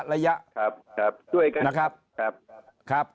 ด้วยกัน